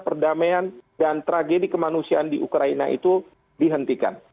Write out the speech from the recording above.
perdamaian dan tragedi kemanusiaan di ukraina itu dihentikan